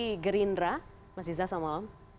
dari gerindra mas iza selamat malam